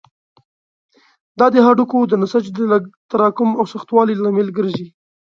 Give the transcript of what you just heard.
دا د هډوکو د نسج د لږ تراکم او سختوالي لامل ګرځي.